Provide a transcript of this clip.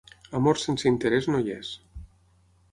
Amor sense interès no hi és.